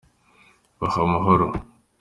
bahe amahoro.